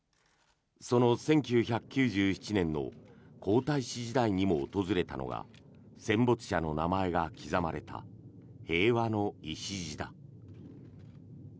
その１９９７年の皇太子時代にも訪れたのが戦没者の名前が刻まれた平和の礎だ。